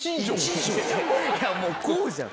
いやもうこうじゃん。